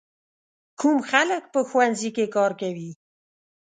کوم خلک په ښوونځي کې کار کوي؟